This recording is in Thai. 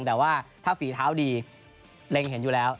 แต่ว่าถ้าฝีเท้าดีเล็งเห็นอยู่แล้ว